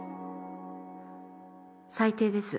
最低です。